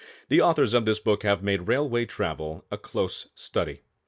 The authors of this book have made railroad travel a close study.